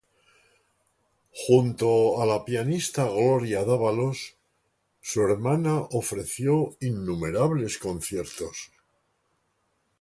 Junto a la pianista Gloria Dávalos, su hermana, ofreció innumerables conciertos.